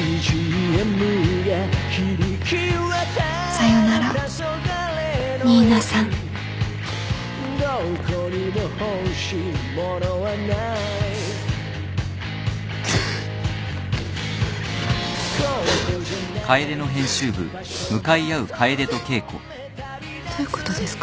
さよなら新名さんどういうことですか？